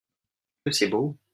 Que c'est beau !